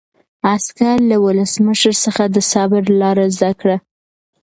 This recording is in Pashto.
عسکر له ولسمشر څخه د صبر لاره زده کړه.